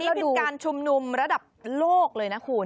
นี่เป็นการชุมนุมระดับโลกเลยนะคุณ